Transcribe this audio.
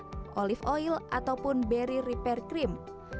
minyak kelapa olive oil ataupun berry repair cream